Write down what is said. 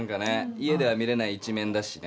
家では見れない一面だしね。